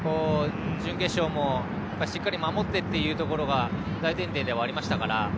準決勝もしっかり守ってというところが大前提ではありましたから。